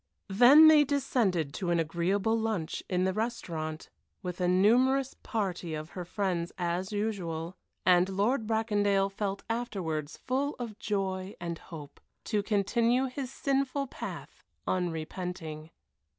Then they descended to an agreeable lunch in the restaurant, with a numerous party of her friends as usual, and Lord Bracondale felt afterwards full of joy and hope, to continue his sinful path unrepenting.